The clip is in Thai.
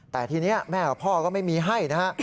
แต่ทีนี้แม่กับพ่อก็ไม่มีให้นะฮะ